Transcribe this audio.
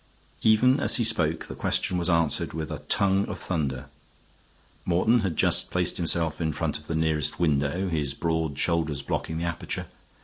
Even as he spoke the question was answered with a tongue of thunder. Morton had just placed himself in front of the nearest window, his broad shoulders blocking the aperture.